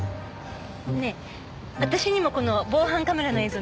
ねえ私にもこの防犯カメラの映像見せて。